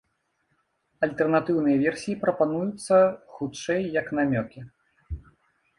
Альтэрнатыўныя версіі прапануюцца, хутчэй, як намёкі.